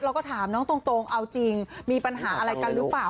เราก็ถามน้องตรงเอาจริงมีปัญหาอะไรกันหรือเปล่า